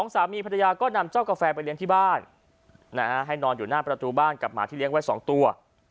สามีภรรยาก็นำเจ้ากาแฟไปเลี้ยงที่บ้านให้นอนอยู่หน้าประตูบ้านกับหมาที่เลี้ยงไว้๒ตัว